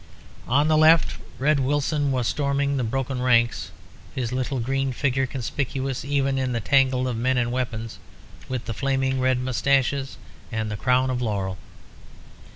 On the left Red Wilson was storming the broken ranks, his little green figure conspicuous even in the tangle of men and weapons, with the flaming red moustaches and the crown of laurel.